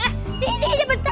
eh sini aja bentar